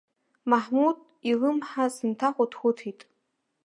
Маҳмуҭ илымҳа сынҭахәыҭхәыҭит.